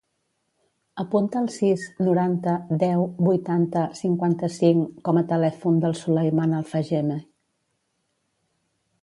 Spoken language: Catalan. Apunta el sis, noranta, deu, vuitanta, cinquanta-cinc com a telèfon del Sulaiman Alfageme.